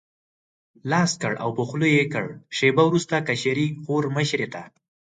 لاس کړ او په خوله یې کړ، شېبه وروسته کشرې خور مشرې ته.